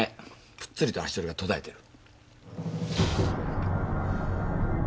ぷっつりと足取りが途絶えてる。